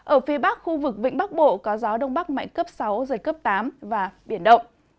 ở phía bắc khu vực vĩnh bắc bộ có gió đông bắc mạnh cấp sáu giật cấp tám và biển động